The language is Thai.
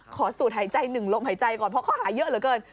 สูดหายใจหนึ่งลมหายใจก่อนเพราะข้อหาเยอะเหลือเกิน